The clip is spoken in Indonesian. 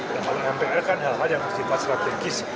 dan kalau mpr kan hal hal yang harus dipasrat legis